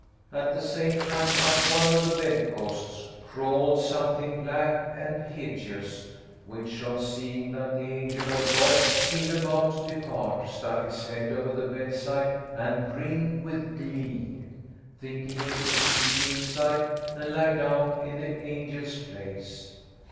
At the same time up one of the bedposts crawled something black and hideous, which on seeing that the angel of God seemed about to depart, stuck its head over the bedside and grinned with glee, thinking it could creep inside and lie down in the angel's place.